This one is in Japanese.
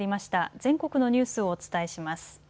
全国のニュースをお伝えします。